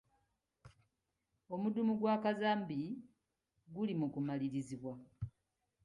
Omudumu gwa kazambi guli mu kumalirizibwa.